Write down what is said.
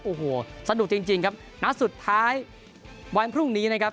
โอ้โหสนุกจริงครับนัดสุดท้ายวันพรุ่งนี้นะครับ